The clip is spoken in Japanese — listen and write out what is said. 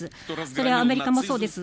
それはアメリカもそうです。